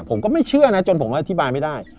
ผมก็ไม่เชื่อนะจนผมอธิบายไม่ได้